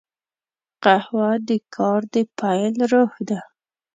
قهوه د کار د پیل روح ده